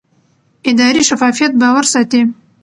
اداري شفافیت باور ساتي